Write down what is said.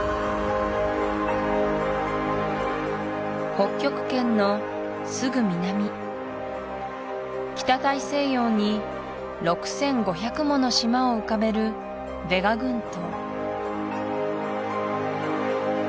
北極圏のすぐ南北大西洋に６５００もの島を浮かべるヴェガ群島